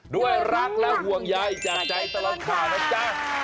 ด้วยรักและห่วงใยจากใจตลอดข่าวนะจ๊ะ